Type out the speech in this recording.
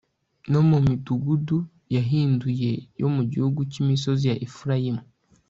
no mu midugudu yahindūye yo mu gihugu cyimisozi ya Efurayimu